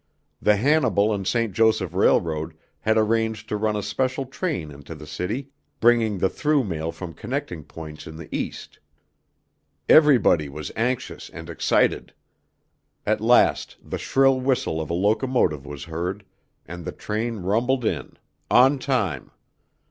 The Hannibal and St. Joseph Railroad had arranged to run a special train into the city, bringing the through mail from connecting points in the East. Everybody was anxious and excited. At last the shrill whistle of a locomotive was heard, and the train rumbled in on time.